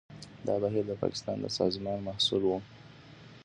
دا بهیر د پاکستان د سازمان محصول و.